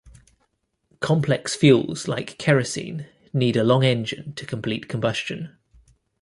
Complex fuels like kerosene need a long engine to complete combustion.